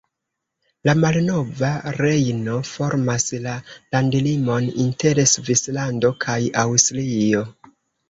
La malnova Rejno formas la landlimon inter Svislando kaj Aŭstrio.